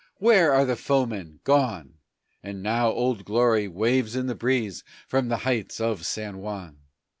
Where are the foemen? Gone! And now "Old Glory" waves in the breeze from the heights of San Juan!